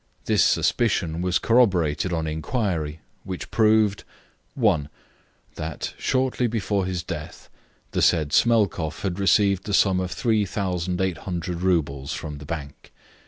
This suspicion was corroborated on inquiry, which proved: 1. That shortly before his death the said Smelkoff had received the sum of 3,800 roubles from the bank.